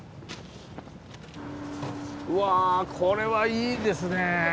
うわこれはいいですね。